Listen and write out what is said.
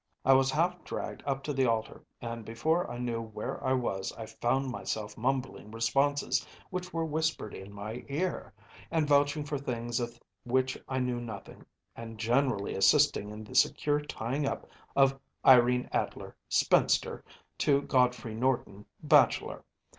’ “I was half dragged up to the altar, and before I knew where I was I found myself mumbling responses which were whispered in my ear, and vouching for things of which I knew nothing, and generally assisting in the secure tying up of Irene Adler, spinster, to Godfrey Norton, bachelor.